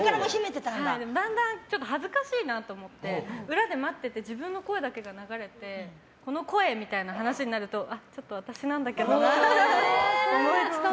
だんだん恥ずかしいなと思って裏で待っていて自分の声だけが流れていてこの声、みたいになると私なんだけどなって思いつつ。